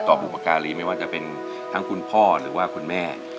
บุพการีไม่ว่าจะเป็นทั้งคุณพ่อหรือว่าคุณแม่